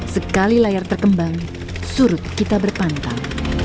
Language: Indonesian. sekali layar terkembang surut kita berpantau